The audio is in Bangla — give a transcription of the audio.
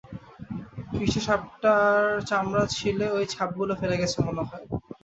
কীসে সাপটার চামড়া ছিলে ওই ছাপগুলো ফেলে গেছে মনে হয়?